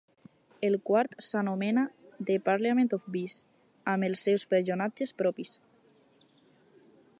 El quart s'anomena "The Parliament of Bees", amb els seus personatges propis.